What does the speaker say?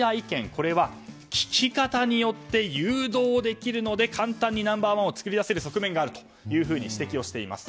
これは聞き方によって誘導できるので簡単にナンバー１を作り出せる側面があると指摘しています。